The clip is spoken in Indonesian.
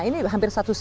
ini hampir satu sisi